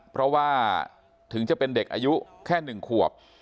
เพราะว่าถึงจะเป็นเด็กอายุแค่๑ขวบ